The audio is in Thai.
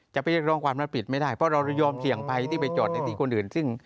จะไปเรียกร้องความรับผิดไม่ได้เพราะเรายอมเสี่ยงภัยที่ไปจอดในที่คนอื่นซึ่ง